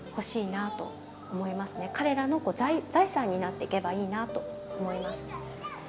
彼らの財産になっていけばいいなと思います。